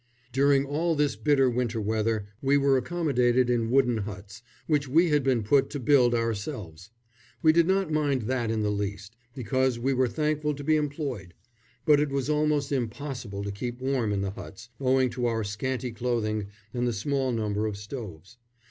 During all this bitter winter weather we were accommodated in wooden huts, which we had been put to build ourselves. We did not mind that in the least, because we were thankful to be employed. But it was almost impossible to keep warm in the huts, owing to our scanty clothing and the small number of stoves.